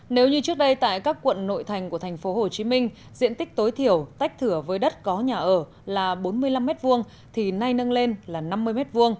nếu như trước đây tại các quận nội thành của tp hcm diện tích tối thiểu tách thửa với đất có nhà ở là bốn mươi năm m hai thì nay nâng lên là năm mươi m hai